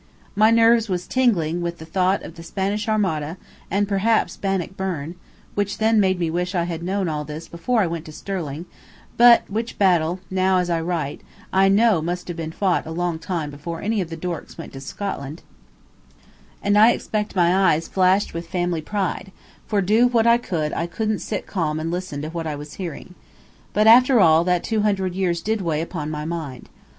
My nerves was tingling with the thought of the Spanish Armada, and perhaps Bannockburn (which then made me wish I had known all this before I went to Stirling, but which battle, now as I write, I know must have been fought a long time before any of the Dorks went to Scotland), and I expect my eyes flashed with family pride, for do what I would I couldn't sit calm and listen to what I was hearing. But, after all, that two hundred years did weigh upon my mind.